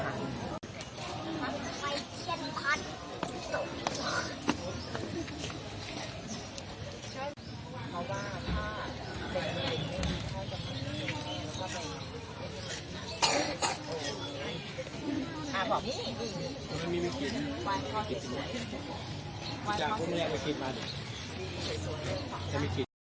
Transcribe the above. แล้ววันนี้มันก็มีความทรงจำดีที่เขาเคยทำให้กับเราแล้ววันนี้มันก็มีความพนักศึกมันก็มีตลอดที่น่าจะอยู่แล้วค่ะ